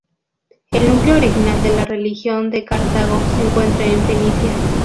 El núcleo original de la religión de Cartago se encuentra en Fenicia.